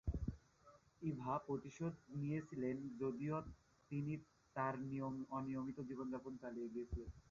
ইভা প্রতিশোধ নিয়েছিলেন, যদিও তিনি তার অনিয়ন্ত্রিত জীবনযাপন চালিয়ে গিয়েছিলেন।